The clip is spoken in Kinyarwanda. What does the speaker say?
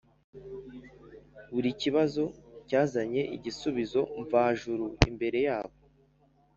buri kibazo cyazanye ikigisho mvajuru imbere yabo